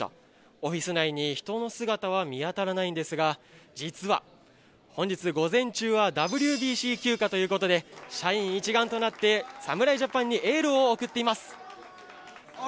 オフィス内に人の姿は見当たらないんですが、実は、本日午前中はＷＢＣ休暇ということで、社員一丸となって侍ジャパンにエールを送っています。